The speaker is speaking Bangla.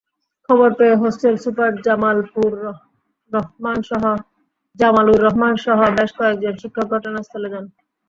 খবর পেয়ে হোস্টেল সুপার জামালুর রহমানসহ বেশ কয়েকজন শিক্ষক ঘটনাস্থলে যান।